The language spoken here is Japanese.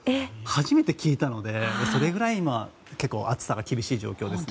初めて聞いたのでそれぐらい、結構暑さが厳しい状況です。